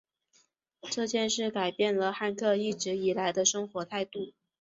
这件事改变了汉克一直以来的生活态度。